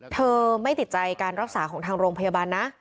เธอไม่ติดใจการรักษาของทางโรงพยาบาลนะ